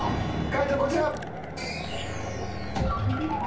解答こちら！